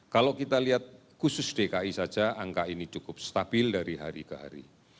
kalau kita lihat khusus dki saja angka ini cukup stabil dari hari ke hari